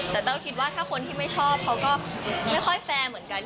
แต่แต้วคิดว่าถ้าคนที่ไม่ชอบเขาก็ไม่ค่อยแฟร์เหมือนกัน